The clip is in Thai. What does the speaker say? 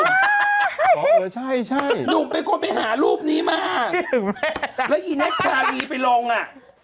อ๋อเออใช่ใช่หนูเป็นคนไปหารูปนี้มาคิดถึงแม่แล้วอีนักชาลีไปลองอ่ะ